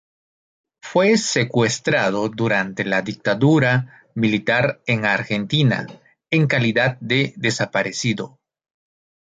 Fue secuestrado durante la dictadura militar en Argentina en calidad de desaparecido.